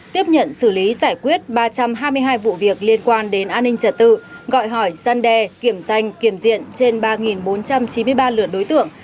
tiếp nhận xử lý giải quyết ba trăm hai mươi hai vụ việc liên quan đến an ninh trật tự gọi hỏi gian đe kiểm danh kiểm diện trên ba bốn trăm chín mươi ba lượt đối tượng